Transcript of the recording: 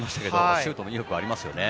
シュートの威力がありますね。